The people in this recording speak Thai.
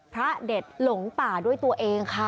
พระเด็ดหลงป่าด้วยตัวเองค่ะ